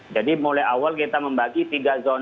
jadi mulai awal kita membagi tiga zona